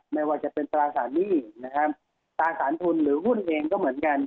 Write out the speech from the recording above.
ไม่ว่าจะเป็นตราสารหนี้นะครับตราสารทุนหรือหุ้นเองก็เหมือนกัน